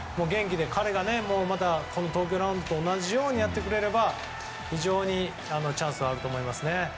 彼がまた東京ラウンドと同じようにやってくれれば非常にチャンスはあると思います。